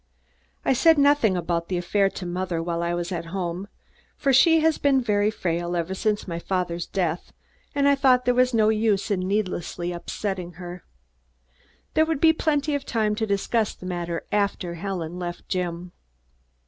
I said nothing about the affair to mother while I was home, for she has been very frail ever since my father's death and I thought there was no use in needlessly upsetting her. There would be plenty of time to discuss the matter after Helen left Jim.